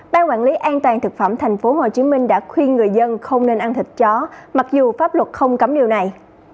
ban quản lý an toàn thực phẩm tp hcm đã khuyên người dân không nên ăn thịt chó mặc dù pháp luật không cấm điều này